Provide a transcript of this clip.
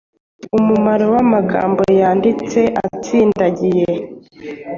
umumaro by’amagambo yanditse atsindagiye.